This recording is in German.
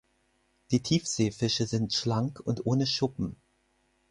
Die Tiefseefische sind schlank und ohne Schuppen.